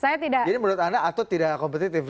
jadi menurut anda atut tidak kompetitif